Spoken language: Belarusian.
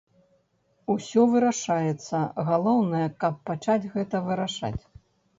Усё вырашаецца, галоўнае, каб пачаць гэта вырашаць.